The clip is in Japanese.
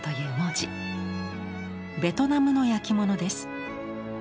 ベトナムの焼き物です。